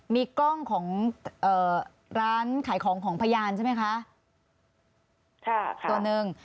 มีกล้องของเอ่อร้านขายของของพยานใช่ไหมคะค่ะตัวหนึ่ง